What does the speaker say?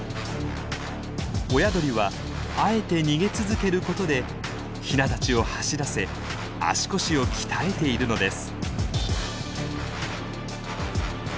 親鳥はあえて逃げ続けることでヒナたちを走らせ足腰を鍛えているのです。